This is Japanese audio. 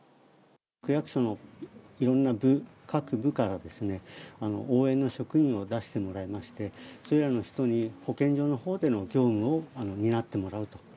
区役所のいろんな部、各部からですね、応援の職員を出してもらいまして、それらの人に保健所のほうでの業務を担ってもらうと。